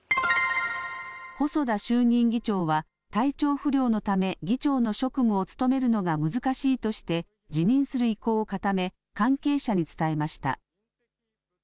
細田衆議院議長は体調不良のため議長の職務を務めるのが難しいとして辞任する意向を固め関係者に伝えました。